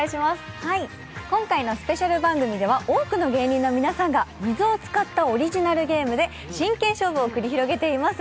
今回のスペシャル番組では多くの芸人の皆さんが水を使ったオリジナルゲームで真剣勝負を繰り広げています。